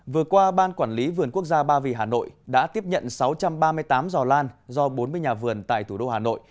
vừa qua ban quản lý vườn quốc gia ba vì hà nội đã tiếp nhận sáu trăm ba mươi tám giò lan do bốn mươi nhà vườn tại thủ đô hà nội